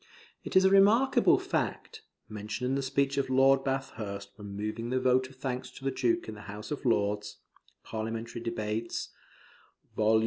It is a remarkable fact (mentioned in the speech of Lord Bathurst when moving the vote of thanks to the Duke in the House of Lords), [Parliamentary Debates, vol.